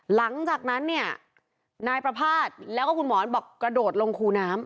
หลังจากนั้นเนี่ยนายประพาทแล้วก็คุณหมอนบอก